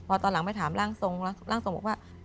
พอตอนหลังไปถามร่างทรงร่างทรงบอกว่า